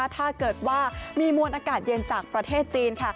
ถ้าเกิดว่ามีมวลอากาศเย็นจากประเทศจีน